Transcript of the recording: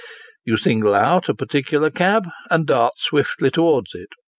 You single out a particular cab, and dart swiftly towards it.